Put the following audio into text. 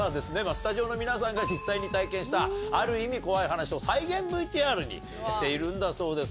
スタジオの皆さんが実際に体験したある意味怖い話を再現ＶＴＲにしているんだそうです。